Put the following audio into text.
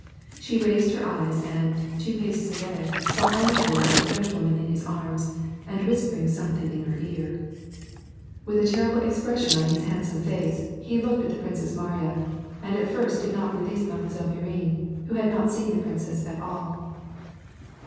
She '^sed her eyes and, two paces away, saw Anatol with the Frenchwoman in his arms, and whispering something in her ^r« W^ith a terrible expression on his handsome face, he 278 ^VAR AND PEACE. looked at the Princess Mariya, and at first did not release Mile. Bourienne, who had not seen the princess at all.